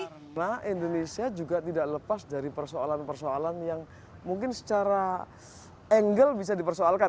karena indonesia juga tidak lepas dari persoalan persoalan yang mungkin secara angle bisa dipersoalkan